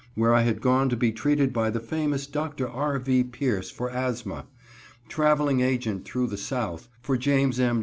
where I had gone to be treated by the famous Dr. R. V. Pierce for asthma; traveling agent through the South for Jas. M.